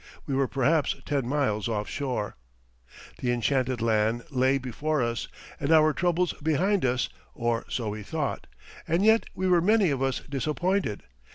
We were perhaps ten miles offshore. The enchanted land lay before us and our troubles behind us or so we thought and yet we were many of us disappointed.